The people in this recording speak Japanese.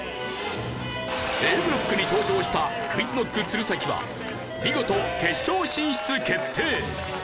Ａブロックに登場したＱｕｉｚＫｎｏｃｋ鶴崎は見事決勝進出決定！